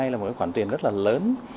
là một cái khoản tiền rất là lớn